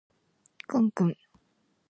クソクソ